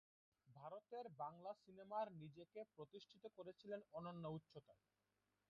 ভারতের বাংলা সিনেমার নিজেকে প্রতিষ্ঠিত করেছিলেন অনন্য উচ্চতায়।